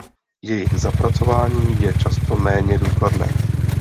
Jejich zapracování je často méně důkladné.